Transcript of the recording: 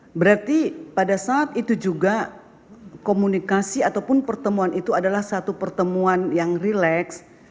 oke berarti pada saat itu juga komunikasi ataupun pertemuan itu adalah satu pertemuan yang rileks